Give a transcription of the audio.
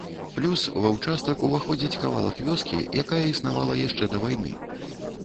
Плюс ва ўчастак ўваходзіць кавалак вёскі, якая існавала яшчэ да вайны.